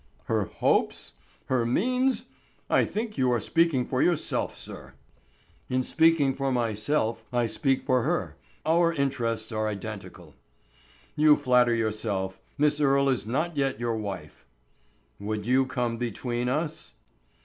"Her hopes? Her means? I think you are speaking for yourself, sir." "In speaking for myself, I speak for her; our interests are identical." "You flatter yourself; Miss Earle is not yet your wife." "Would you come between us?"